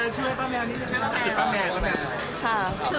ชื่อป้าแมวนี้